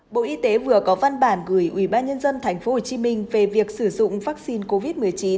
bộ y tế vừa có văn bản gửi ủy ban nhân dân thành phố hồ chí minh về việc sử dụng vaccine covid một mươi chín